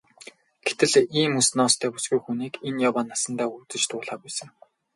Гэтэл ийм үс ноостой бүсгүй хүнийг энэ яваа насандаа үзэж дуулаагүй сэн.